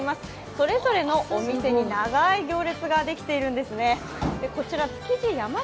それぞれのお店に長い行列ができているんですね。